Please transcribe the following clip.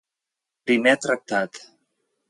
Primer tractat.